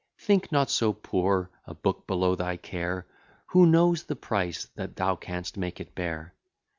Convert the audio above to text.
Think not so poor a book below thy care; Who knows the price that thou canst make it bear?